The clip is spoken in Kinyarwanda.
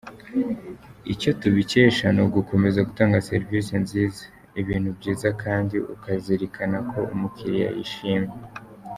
Icyo tubikesha ni ugukomeza gutanga serivisi nziza, ibintu byiza kandi ukazirikana ko umukiriya yishimye.